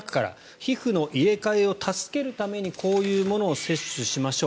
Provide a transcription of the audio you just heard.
皮膚の入れ替えを助けるためにこういうものを摂取しましょう。